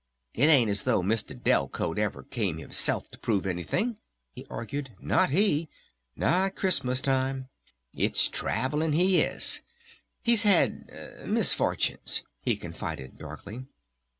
It ain't as though Mr. Delcote ever came himself to prove anything," he argued. "Not he! Not Christmas Time! It's travelling he is.... He's had ... misfortunes," he confided darkly.